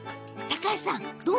高橋さん。